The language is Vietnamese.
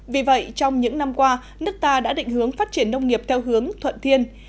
vì vậy trong những năm qua nước ta đã định hướng phát triển nông nghiệp theo hướng thuận thiên